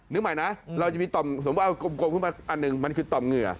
นึกใหม่นะเราจะมีตอมเข้ามาอันหนึ่งมันคือตอมเงื่อ